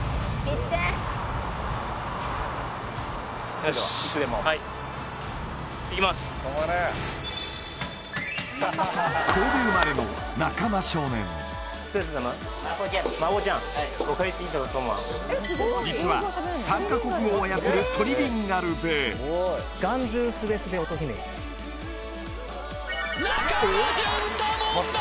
それではいつでもはい神戸生まれの中間少年実は３カ国語を操るトリリンガルで・中間淳太問題